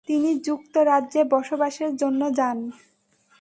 তিনি যুক্তরাজ্যে বসবাসের জন্য যান।